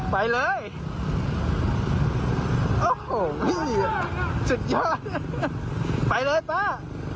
ไปเลยโอ้โหสุดยอดไปเลยป้า